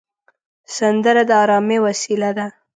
سندره د ارامۍ وسیله ده